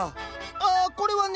ああこれはね